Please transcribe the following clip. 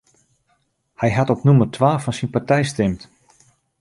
Hy hat op nûmer twa fan syn partij stimd.